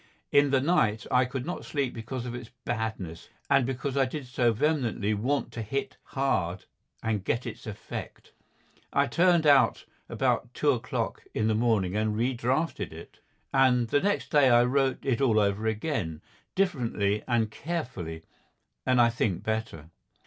In the night I could not sleep because of its badness, and because I did so vehemently want it to hit hard and get its effect. I turned out about two o'clock in the morning and redrafted it, and the next day I wrote it all over again differently and carefully, and I think better.